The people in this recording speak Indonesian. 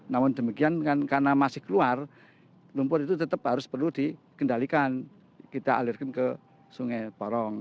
namun demikian karena masih keluar lumpur itu tetap harus perlu dikendalikan kita alirkan ke sungai porong